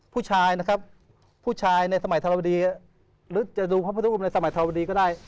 ผู้ชายนะครับผู้ชายในสมัยธรวดีหรือจะดูพระพุทธรูปในสมัยธวดีก็ได้